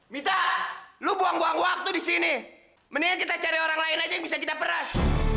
minta lu buang buang waktu di sini mendingan kita cari orang lain aja yang bisa kita peras